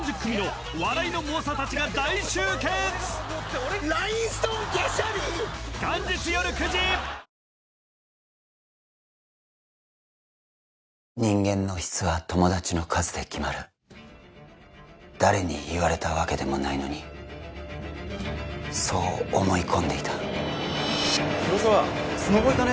どん兵衛人間の質は友達の数で決まる誰に言われたわけでもないのにそう思い込んでいた広沢スノボ行かね？